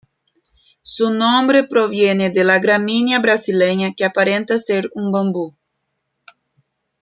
Su nombre proviene de la gramínea brasileña que aparenta ser un bambú.